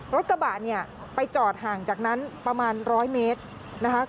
รถกระบะเนี่ยไปจอดห่างจากนั้นประมาณ๑๐๐เมตรนะคะ